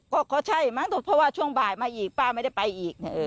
ก็ใช่มั้งเพราะว่าช่วงบ่ายมาอีกป้าไม่ได้ไปอีก